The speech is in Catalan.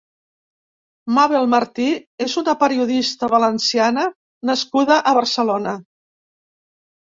Màbel Martí és una periodista valenciana nascuda a Barcelona.